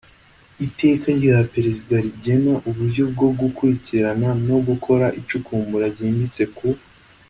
iteka rya perezida rigena uburyo bwo gukurikirana no gukora icukumbura ryimbitse ku